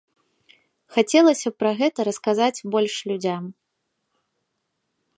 Хацелася б пра гэта расказаць больш людзям.